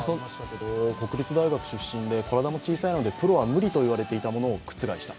国立大学出身で、体も小さいのでプロは無理といわれていたものを覆した。